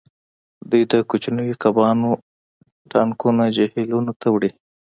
دوی د کوچنیو کبانو ټانکونه جهیلونو ته وړي